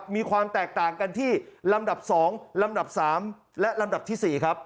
มีความแตกต่างกันที่ลำดับ๒ลำดับ๓และลำดับที่๔ครับ